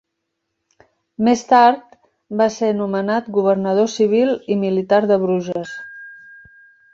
Més tard, va ser nomenat governador civil i militar de Bruges.